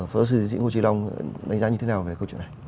phó giáo sư diễn sĩ hồ chí long đánh giá như thế nào về câu chuyện này